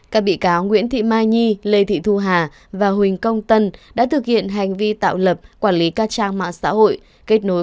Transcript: các bị cáo nguyễn thị mai nhi lê thị thu hà và huỳnh công tân đã thực hiện hành vi tạo lập quản lý các trang mạng xã hội